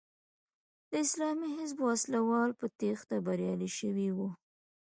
د اسلامي حزب وسله وال په تېښته بریالي شوي وو.